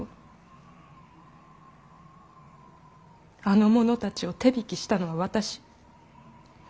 あの者たちを手引きしたのは私。